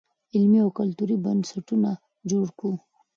علمي او کلتوري بنسټونه جوړ کړو.